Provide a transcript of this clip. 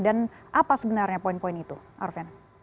dan apa sebenarnya poin poin itu arven